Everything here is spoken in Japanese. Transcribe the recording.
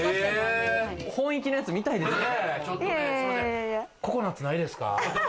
本意気のやつ見たいですよね。